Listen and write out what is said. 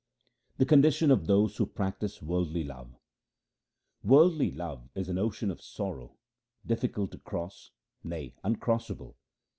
The condition of those who practise worldly love .— Worldly love is an ocean of sorrow, difficult to cross, nay, uncrossable.